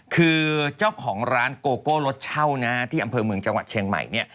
คือเจ้าของร้านโกโก้รถเช่านะที่อำเภอเมืองจังหวัดเชียงใหม่เนี่ย